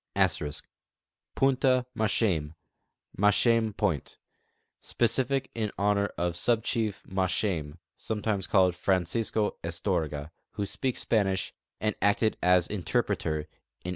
* Punta Mashein' (Mashem^ point) : Specific in honor of sub chief Ma shein' (sometimes called Francisco Estorga), who speaks Spanish and acted as interi)reter in 1894.